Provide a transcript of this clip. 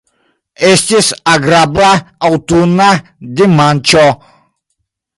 Estis agrabla aŭtuna dimanĉo.